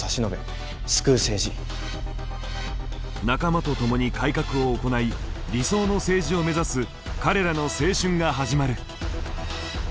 仲間と共に改革を行い理想の政治を目指す彼らの青春が始まる。